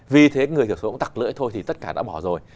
vì thế người thưởng số cũng tặc lưỡi thôi thì tất cả đã bỏ rồi